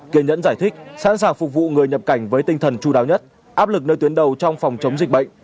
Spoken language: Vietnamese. kiên nhẫn giải thích sẵn sàng phục vụ người nhập cảnh với tinh thần chú đáo nhất áp lực nơi tuyến đầu trong phòng chống dịch bệnh